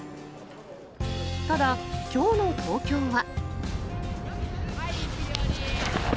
ただ、きょうの東京は。